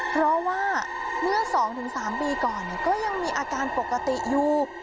เพราะว่าเมื่อ๒๓ปีก่อนก็ยังมีอาการปกติอยู่